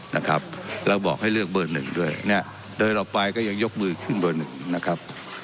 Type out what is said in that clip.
นะครับแล้วบอกให้เลือกเบอร์หนึ่งด้วยเนี่ยเดินออกไปก็ยังยกมือขึ้นเบอร์หนึ่งนะครับ